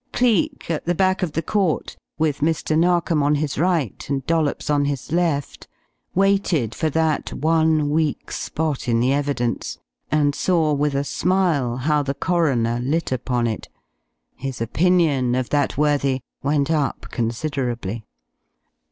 Cleek, at the back of the court, with Mr. Narkom on his right and Dollops on his left, waited for that one weak spot in the evidence, and saw with a smile how the coroner lit upon it. His opinion of that worthy went up considerably.